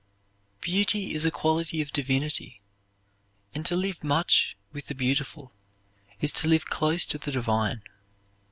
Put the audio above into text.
Beauty is a quality of divinity, and to live much with the beautiful is to live close to the divine.